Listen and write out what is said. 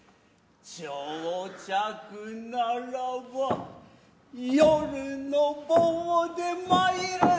打擲ならば夜の棒で参るぞ。